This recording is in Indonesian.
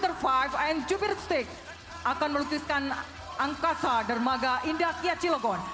selanjutnya alihkan pandangan ke kiri depan hadirin sekalian